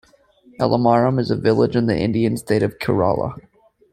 Elamaram is a village in the Indian state of Kerala.